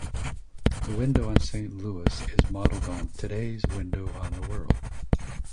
The Window on Saint Louis is modeled on "Today"s "Window on the World.